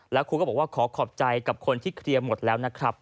แล้วครูก็บอกว่าขอขอบใจกับคนที่เคลียร์หมดแล้วนะครับ